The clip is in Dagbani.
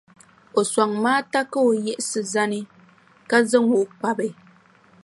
O sɔŋ Maata ka o yiɣisi zani, ka zaŋ o n-kpabi.